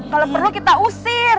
kalau perlu kita usir